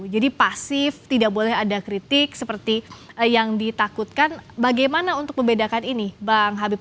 jadi pasif tidak boleh ada kritik seperti yang ditakutkan bagaimana untuk membedakan ini bang habib